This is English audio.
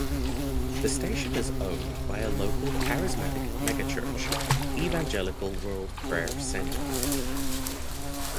The station is owned by local charismatic megachurch Evangel World Prayer Center.